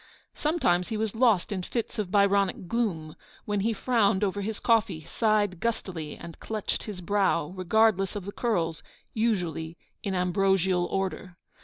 Sometimes he was lost in fits of Byronic gloom, when he frowned over his coffee, sighed gustily, and clutched his brow, regardless of the curls, usually in ambrosial order.